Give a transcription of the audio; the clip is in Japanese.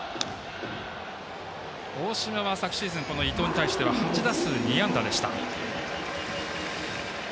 大島は、昨シーズン伊藤に対しては８打数２安打でした。